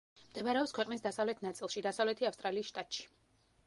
მდებარეობს ქვეყნის დასავლეთ ნაწილში, დასავლეთი ავსტრალიის შტატში.